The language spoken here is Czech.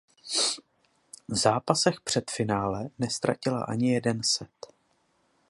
V zápasech před finále neztratila ani jeden set.